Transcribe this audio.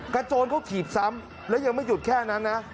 โจรเขาถีบซ้ำแล้วยังไม่หยุดแค่นั้นนะ